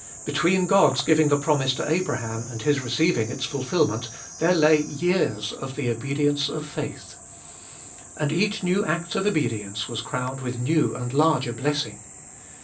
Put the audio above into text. Between God's giving the promise to Abraham and his receiving its fulfil ment there lay years of the obedience of faith. And each new act of obedience was crowned with new and larger blessing.